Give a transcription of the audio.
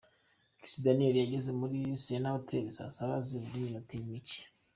Kiss Daniel yageze kuri Serena Hotel saa saba zibura iminota mike.